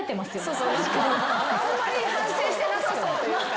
あんまり反省してなさそうというか。